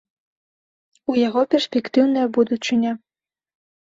У яго перспектыўная будучыня.